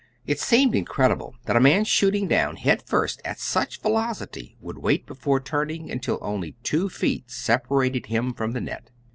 It seemed incredible that a man shooting down, head first, at such velocity would wait before turning until only two feet separated him from the net.